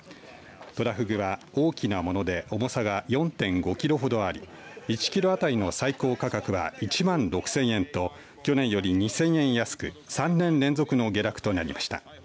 トラフグは大きなもので重さが４．５キロほどあり１キロ当たりの最高価格は１万６０００円と去年より２０００円安く３年連続の下落となりました。